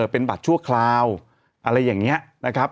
เป็นบัตรชั่วคราวอะไรอย่างนี้นะครับ